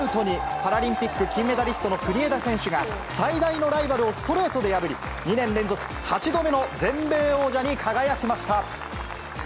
パラリンピック金メダリストの国枝選手が、最大のライバルをストレートで破り、２年連続８度目の全米王者に輝きました。